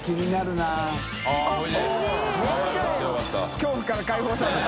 恐怖から解放された。